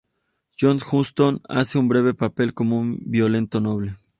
John Huston hace un breve papel como un violento noble.